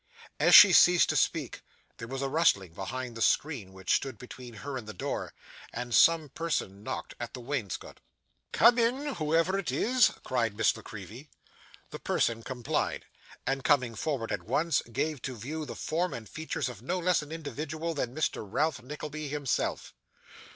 As she ceased to speak, there was a rustling behind the screen which stood between her and the door, and some person knocked at the wainscot.' 'Come in, whoever it is!' cried Miss La Creevy. The person complied, and, coming forward at once, gave to view the form and features of no less an individual than Mr. Ralph Nickleby himself.